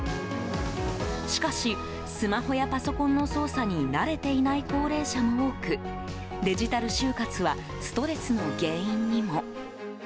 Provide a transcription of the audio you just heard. しかし、スマホやパソコンの操作に慣れていない高齢者も多くデジタル終活はストレスの原因にも。